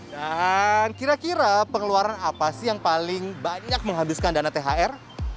dan kira kira pengeluaran apa sih yang paling banyak menghabiskan dana thr